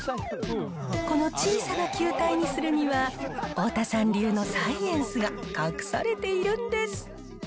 この小さな球体にするには、太田さん流のサイエンスが隠されているんです。